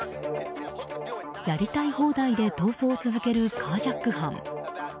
やりたい放題で逃走を続けるカージャック犯。